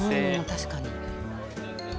確かに。